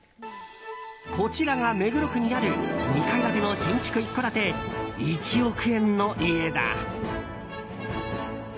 こちらが目黒区にある２階建ての新築一戸建て１億円の家だ。